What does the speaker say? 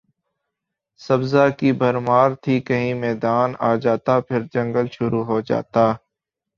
سبزہ کی بھرمار تھی کہیں میدان آ جاتا پھر جنگل شروع ہو جاتا